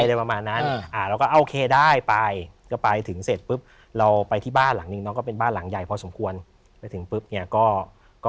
เหมือนแรกที่ปีกสาตาลใช่เรียนประมาณนั้นอ้าแล้วก็